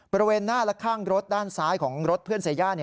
บริเวณหน้าและข้างรถด้านซ้ายของรถเพื่อนเซย่า